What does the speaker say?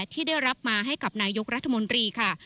ที่ได้รับมาให้กับนายกรัฐมนตรีค่ะ